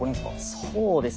そうですね。